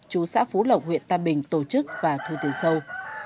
chú xã phú lộc huyện tam bình tổ chức và thu tiền sâu